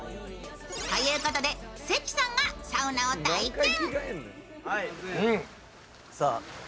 ということで、関さんがサウナを体験。